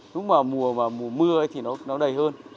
lúc mà mùa mưa thì nó đầy hơn